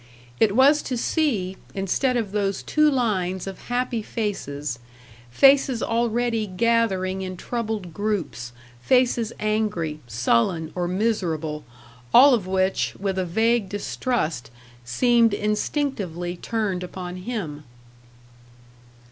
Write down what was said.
It was to see, instead of those two lines of happy faces, faces already gathering in troubled groups, faces angry, sullen, or miserable, all of which, with a vague distrust, seemed instinctively turned upon him.